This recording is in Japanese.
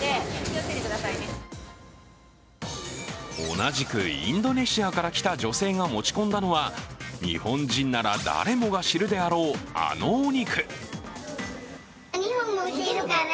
同じくインドネシアから来た女性が持ち込んだのは、日本人なら誰もが知るであろう、あのお肉。